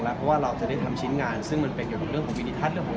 เพราะเราได้ทำชิ้นงานอยู่ด้วยงานของวิธีทัศน์